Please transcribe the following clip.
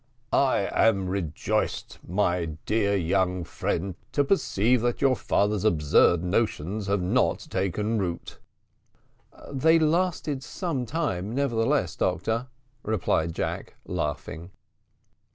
"I am rejoiced, my dear young friend, to perceive that your father's absurd notions have not taken root." "They lasted some time nevertheless, doctor," replied Jack, laughing.